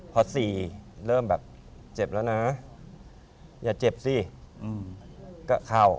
พอ๔เริ่มแบบเจ็บแล้วนะอย่าเจ็บสิก็เข้า